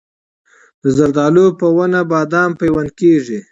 د زردالو په ونه بادام پیوند کیږي؟